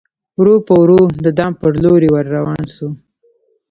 ورو په ورو د دام پر لوري ور روان سو